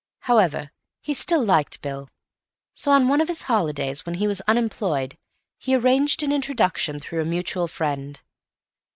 However, he still liked Bill. So on one of his holidays, when he was unemployed, he arranged an introduction through a mutual friend.